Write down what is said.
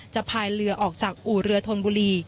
พายเรือออกจากอู่เรือธนบุรี